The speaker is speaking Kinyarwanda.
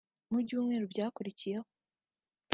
Mu byumweru byakurikiyeho